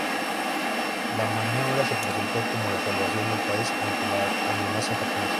La maniobra se presentó como la salvación del país ante la amenaza japonesa.